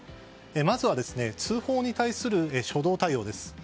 まずは通報に対する初動対応です。